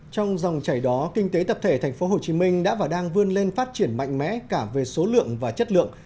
trong dòng chảy đó kinh tế tập thể tp hcm đã và đang vươn lên phát triển mạnh mẽ cả về số lượng và chất lượng